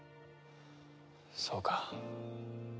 そうか。